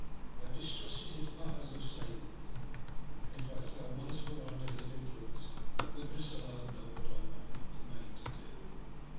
I distrusted his powers of saving me ; and, if I fell once more under his influence, goodness alone knew what I might not be made to do.